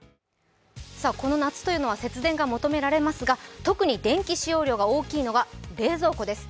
この夏は節電が求められますが、特に電気使用量が大きいのが冷蔵庫です。